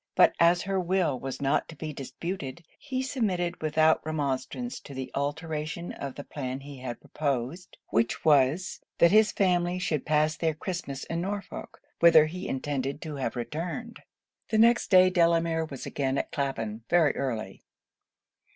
But as her will was not to be disputed, he submitted without remonstrance to the alteration of the plan he had proposed; which was, that his family should pass their Christmas in Norfolk, whither he intended to have returned. The next day Delamere was again at Clapham, very early.